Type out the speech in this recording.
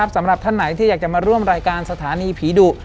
สำหรับท่านไหนที่อยากจะมาร่วมรายการสถานีผีดุ